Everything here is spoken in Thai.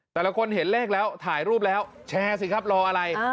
แต่ละคนเห็นเลขแล้วถ่ายรูปแล้วแชร์สิครับรออะไร